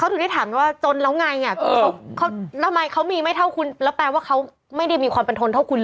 เขาถึงได้ถามว่าจนแล้วไงแล้วมีไม่เท่าคุณแล้วแปลว่าเขาไม่ได้มีความประทนเท่าคุณเหรอ